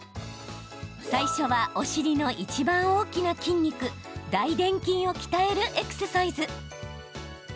最初はお尻のいちばん大きな筋肉大でん筋を鍛えるエクササイズ。